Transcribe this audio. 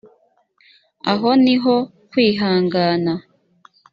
aho ni ho kwihangana